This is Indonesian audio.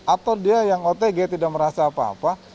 atau dia yang otg tidak merasa apa apa